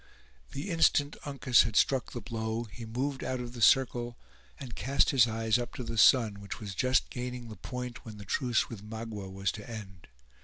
The instant Uncas had struck the blow, he moved out of the circle, and cast his eyes up to the sun, which was just gaining the point, when the truce with Magua was to end.